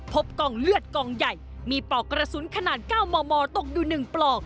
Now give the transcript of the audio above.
พบกล้องเลือดกล้องใหญ่มีเป่ากระสุนขนาดเก้าหมอตกดูหนึ่งปลอก